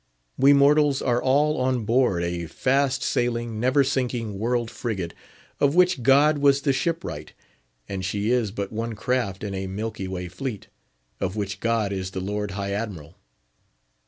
We mortals are all on board a fast sailing, never sinking world frigate, of which God was the shipwright; and she is but one craft in a Milky Way fleet, of which God is the Lord High Admiral.